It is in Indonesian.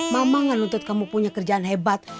mama nge nuntut kamu punya kerjaan hebat